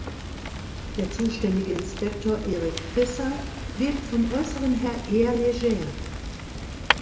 Der zuständige Inspektor Eric Visser wirkt vom Äußeren her eher leger.